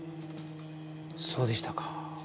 そうでしたか。